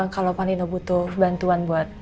kalau pak nino butuh bantuan buat